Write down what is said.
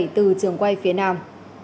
từ trường quay phía nam